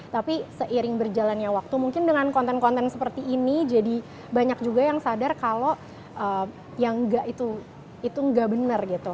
tapi seiring berjalannya waktu mungkin dengan konten konten seperti ini jadi banyak juga yang sadar kalau yang enggak itu nggak bener gitu